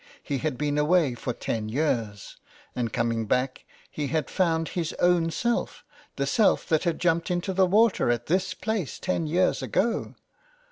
He had been away for ten years, and coming back he had found his own self, the self that had jumped into the water at this place ten years ago.